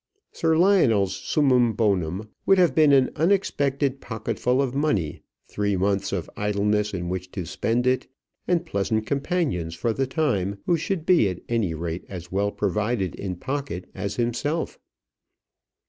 Sir Lionel's summum bonum would have been an unexpected pocketful of money, three months of idleness in which to spend it, and pleasant companions for the time, who should be at any rate as well provided in pocket as himself.